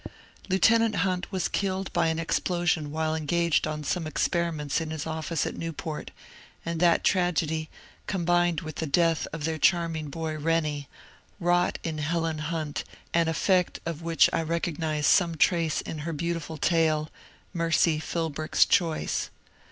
' Lieutenant Hunt was killed by an explosion while engaged on some experiments in his office at Newport, and that tra gedy, combined with the death of their charming boy Rennie, wrought in Helen Hunt an effect of which I recognize some trace in her beautiful tale, " Mercy Philbrick's Choice."